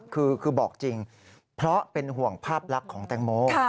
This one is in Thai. คือบอกจริงเพราะเป็นห่วงภาพลักษณ์ของแตงโม